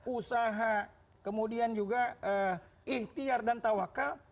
usaha kemudian juga ikhtiar dan tawakal